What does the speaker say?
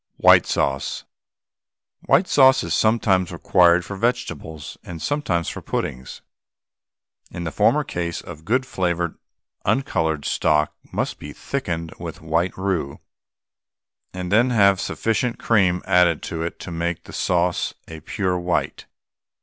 WHITE SAUCE. White sauce is sometimes required for vegetables and sometimes for puddings. In the former case some good flavoured, uncoloured stock must be thickened with white roux, and then have sufficient cream added to it to make the sauce a pure white.